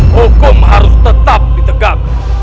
hukum harus tetap ditegak